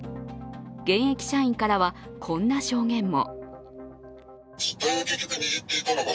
現役社員からはこんな証言も。